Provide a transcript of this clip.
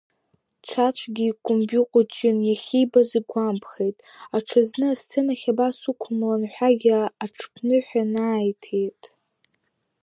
Ҽаӡәгьы икәымжәы ҟәыҷны иахьибаз игәамԥхеит, аҽазны асценахь абас уқәымлан ҳәагьы аҽԥныҳәа наииҭеит.